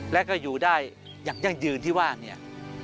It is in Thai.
และก็อยู่ได้อย่างยั่งยืนที่ว่าเนี่ย